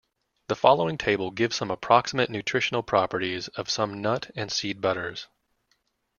The following table gives some approximate nutritional properties of some nut and seed butters.